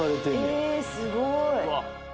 えすごい！